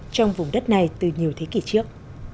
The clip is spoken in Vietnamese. trong vùng đất này từ nhiều thế kỷ trước